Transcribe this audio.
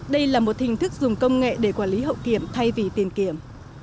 đây là một hình thức dùng công nghệ để quản lý hậu kiểm thay vì tiền kiểm